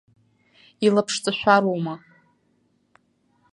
Илаԥшҵашәароума?